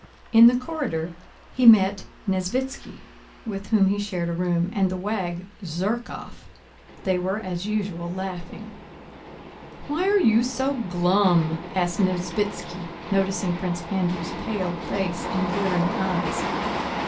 In the corridor he met Nesvítski, with whom he shared a room, and the wag Zherkóv; they were as usual laughing. "Why are you so glum?" asked Nesvítski noticing Prince Andrew's pale face and glittering eyes.